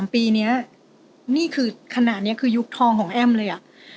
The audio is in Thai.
๑๒๑๓ปีนี้นี่คือขณะนี้คือยุคทองของแอ้มเลยอะ